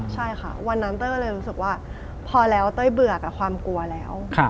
ใช่ค่ะวันนั้นเต้ยก็เลยรู้สึกว่าพอแล้วเต้ยเบื่อกับความกลัวแล้ว